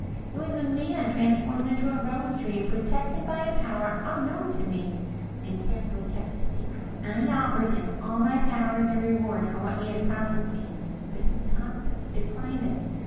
It was a man transformed into a rose tree, and protected by a power unknown to me, and carefully kept a secret. I offered him all my power as a reward for what he had promised me, but he constantly declined it.